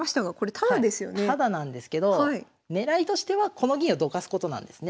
タダなんですけど狙いとしてはこの銀をどかすことなんですね。